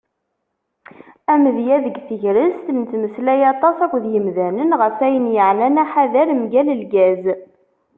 Amedya deg tegrest: Nettmeslay aṭas akked yimdanen ɣef wayen yeɛnan aḥader mgal lgaz.